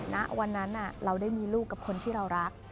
ณวันนั้นเราได้มีลูกกับคนที่เรารัก